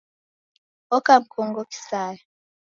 Oka mkongo kisaya